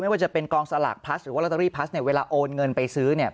ว่าจะเป็นกองสลากพลัสหรือว่าลอตเตอรี่พลัสเนี่ยเวลาโอนเงินไปซื้อเนี่ย